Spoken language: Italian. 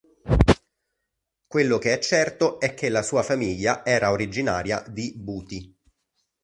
Quello che è certo è che la sua famiglia era originaria di Buti.